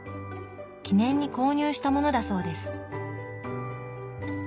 記念に購入したものだそうです。